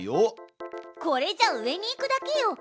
これじゃ上に行くだけよ。